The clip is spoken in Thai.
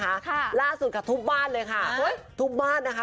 ค่ะล่าสุดค่ะทุบบ้านเลยค่ะเฮ้ยทุบบ้านนะคะ